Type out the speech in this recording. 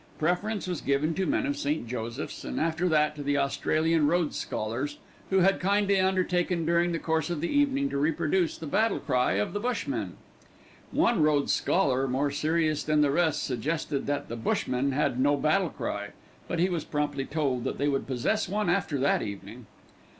Preference was given to men of St. Joseph's, and after that to the Australian Rhodes scholars, who had kindly undertaken during the course of the evening to reproduce the battle cry of the Bushmen. One Rhodes scholar, more serious than the rest, suggested that the Bushmen had no battle cry; but he was promptly told that they would possess one after that evening.